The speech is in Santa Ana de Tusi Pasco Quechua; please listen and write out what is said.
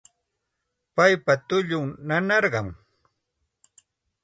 Paypa tullunmi nanarqan